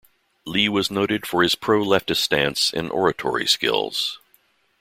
Lee was noted for his pro-leftist stance and oratory skills.